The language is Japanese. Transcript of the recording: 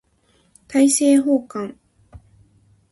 大政奉還